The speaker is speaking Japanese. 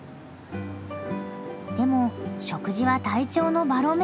でも食事は体調のバロメーター。